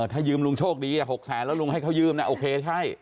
ถ้ายืมลุงโชคดี๖แสนแล้วลุงให้เขายืมนะโอเคใช่